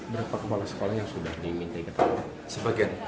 berapa kepala sekolah yang sudah diminta keterangan